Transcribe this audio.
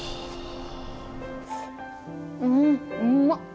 ああ